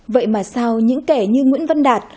vậy mà sao những kẻ như nguyễn văn đạt